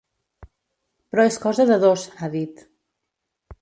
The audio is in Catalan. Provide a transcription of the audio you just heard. Però és cosa de dos, ha dit.